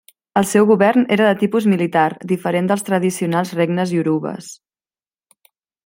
El seu govern era de tipus militar diferent dels tradicionals regnes iorubes.